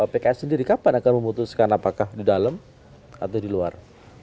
pks sendiri kapan akan memutuskan apakah di dalam atau di luar